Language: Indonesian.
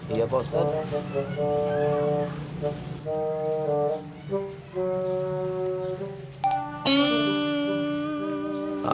iya pak ustadz